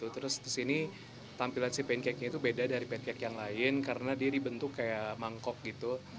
terus di sini tampilan si pancake nya itu beda dari pancake yang lain karena dia dibentuk kayak mangkok gitu